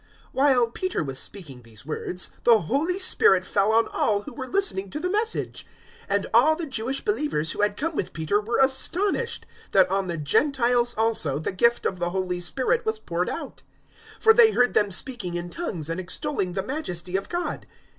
010:044 While Peter was speaking these words, the Holy Spirit fell on all who were listening to the Message. 010:045 And all the Jewish believers who had come with Peter were astonished that on the Gentiles also the gift of the Holy Spirit was poured out. 010:046 For they heard them speaking in tongues and extolling the majesty of God.